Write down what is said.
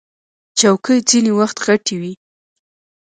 چوکۍ ځینې وخت غټې وي.